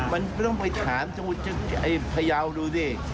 มันไม่ต้องไปถามพยาวดูสิ